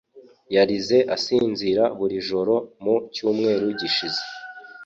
yarize asinzira buri joro mu cyumweru gishize